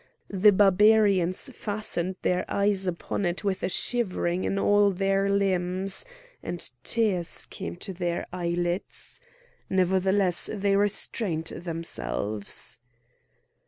The Barbarians fastened their eyes upon it with a shivering in all their limbs, and tears came to their eyelids; nevertheless they restrained themselves.